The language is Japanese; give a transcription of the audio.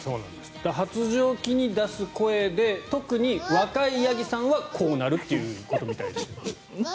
発情期に出す声で特に若いヤギさんはこうなるということみたいです。